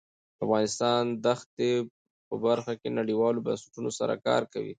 افغانستان د ښتې په برخه کې نړیوالو بنسټونو سره کار کوي.